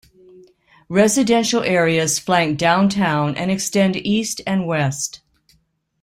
Residential areas flank downtown and extend east and west.